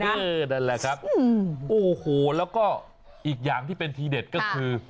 นั่นแหละครับโอ้โหแล้วก็อีกอย่างที่เป็นทีเด็ดก็คือ